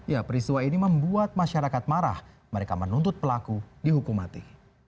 ya peristiwa ini membuat masyarakat marah mereka menuntut pelaku dihukum mati